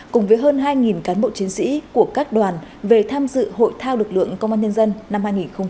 cùng với hơn hai cán bộ chiến sĩ của các đoàn về tham dự hội thao lực lượng công an nhân dân năm hai nghìn hai mươi ba